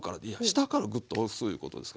下からグッと押すいうことですかね。